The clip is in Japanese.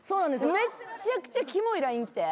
めっちゃくちゃキモいＬＩＮＥ来て。